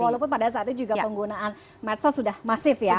walaupun pada saatnya juga penggunaan medsos sudah masif ya